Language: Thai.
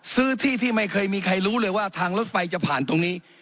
ซื้อที่ที่ไม่เคยมีใครรู้เลยว่าทางรถไฟจะผ่านตรงนี้